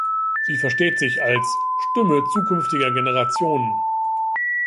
Sie versteht sich als "„Stimme zukünftiger Generationen“".